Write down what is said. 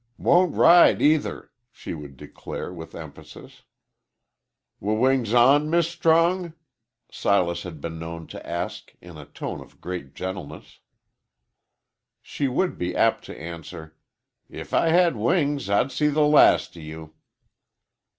"Won't ride either," she would declare, with emphasis. "W wings on, Mis' Strong?" Silas had been known to ask, in a tone of great gentleness. She would be apt to answer, "If I had wings, I'd see the last o' you."